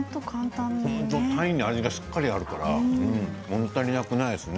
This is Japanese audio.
鯛の味がしっかりあるからもの足りなくないですね。